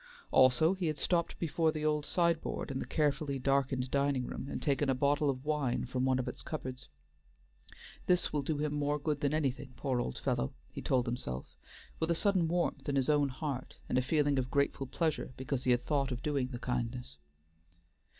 Also he had stopped before the old sideboard in the carefully darkened dining room, and taken a bottle of wine from one of its cupboards. "This will do him more good than anything, poor old fellow," he told himself, with a sudden warmth in his own heart and a feeling of grateful pleasure because he had thought of doing the kindness.